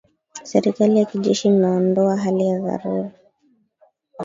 Serikali ya kijeshi imeondoa hali ya dharura